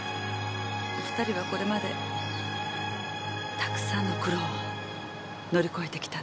２人はこれまでたくさんの苦労を乗り越えてきたんですね。